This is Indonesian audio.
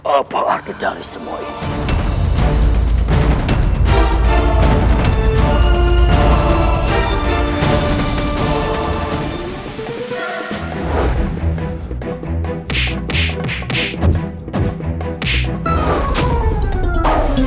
apa arti dari semua ini